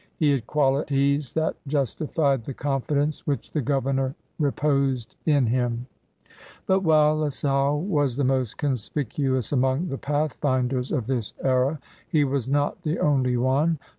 He had quali ties that justified the confidence which the gover nor reposed in him. But while La Salle was the most conspicuous among the pathfinders of this era, he was not the only one.